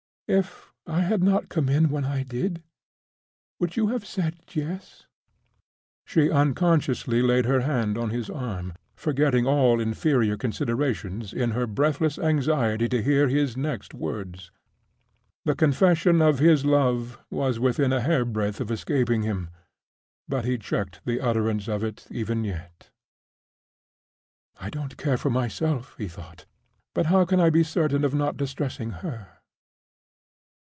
"If I had not come in when I did would you have said Yes?" She unconsciously laid her hand on his arm, forgetting all inferior considerations in her breathless anxiety to hear his next words. The confession of his love was within a hair breadth of escaping him; but he checked the utterance of it even yet. "I don't care for myself," he thought; "but how can I be certain of not distressing _her?